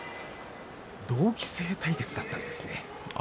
同期生対決だったんですね。